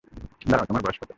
দাঁড়াও, তোমার বয়স কত?